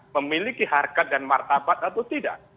memiliki harkat dan martabat atau tidak